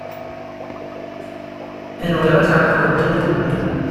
Nwiɣ ad tɛeqleḍ Dda Lmulud.